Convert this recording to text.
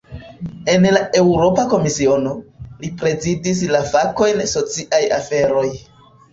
En la Eŭropa Komisiono, li prezidis la fakojn "sociaj aferoj".